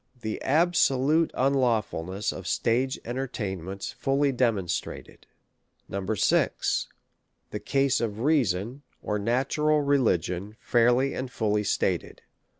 Tlie absolute Unlawfulness of Stage Entertain ments fully Demonstrated. 8vo. , 6. The Case of Reason ; or. Natural Religion fair ly and fully Stated.